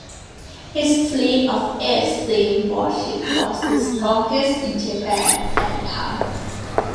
His fleet of eight steam warships was the strongest in Japan at the time.